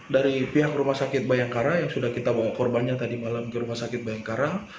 dari pihak rumah sakit bayangkara yang sudah kita bawa korbannya tadi malam ke rumah sakit bayangkara